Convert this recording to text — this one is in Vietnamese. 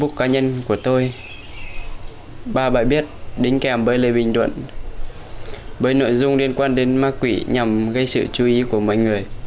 thấy có nhiều người quan tâm đến thông tin này